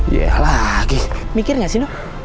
yalah giz mikir gak sih lu